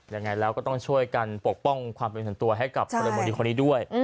ยังไงแล้วก็ต้องช่วยกันปกป้องความเป็นส่วนตัวให้กับพลเมืองดีคนนี้ด้วย